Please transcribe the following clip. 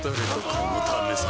このためさ